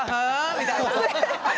みたいな。